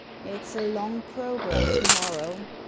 "It's a long programme to morrow.